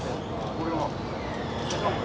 これは？